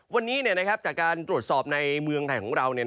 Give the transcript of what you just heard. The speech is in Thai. วันนี้จากการตรวจสอบในเมืองไทยของเรา